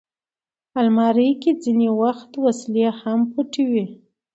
الماري کې ځینې وخت وسلې هم پټې وي